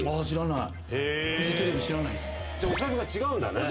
お財布が違うんだね。